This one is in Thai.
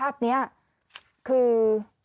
แล้วคือ